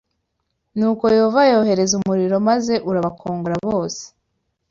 Nuko Yehova yohereza umuriro maze urabakongora bose.